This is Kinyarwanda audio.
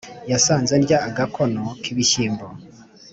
yasanze ndya agakono k’ ibishyimbo,